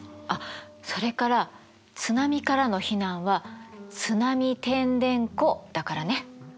あっそれから津波からの避難は津波てんでんこだからね！